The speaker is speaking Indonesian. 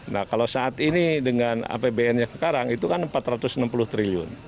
nah kalau saat ini dengan apbn nya sekarang itu kan rp empat ratus enam puluh triliun